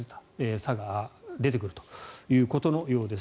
差が出てくるということのようです。